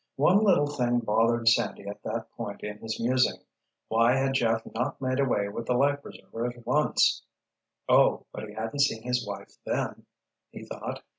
One little thing bothered Sandy at that point in his musing: why had Jeff not made away with the life preserver at once? "Oh, but he hadn't seen his wife then," he thought.